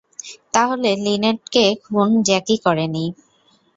তাহলে, লিনেটকে খুন জ্যাকি করেনি!